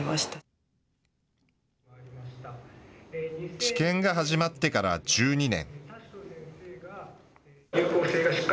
治験が始まってから１２年。